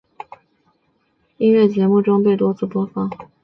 本曲在朝鲜中央广播电台的音乐节目中多次被播放。